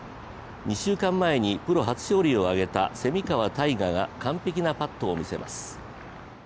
２週間前にプロ初勝利を挙げた蝉川泰果が完璧なパットを見せます。